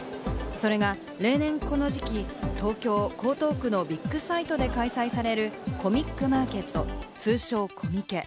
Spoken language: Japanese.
それが例年この時期、東京・江東区のビッグサイトで開催されるコミックマーケット、通称コミケ。